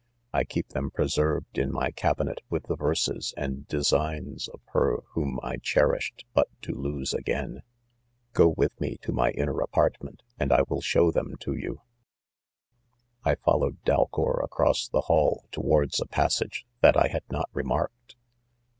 I keep them preserved in my cabinet with the verses and designs of her whom I cherished but to lose again r go with me to : my inner 'apartment, and I will show them to you/' [■■■<•■■ I followed Dalcour across. the hall towards a passage that I had not remarked jbut?